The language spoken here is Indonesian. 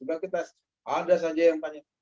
ada saja yang tanya